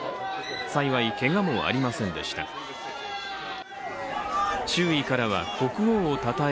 幸い、けがもありませんでした。